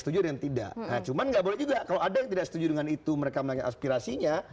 setuju dengan tidak cuma nggak boleh juga kalau ada yang tidak setuju dengan itu mereka mengaspirasinya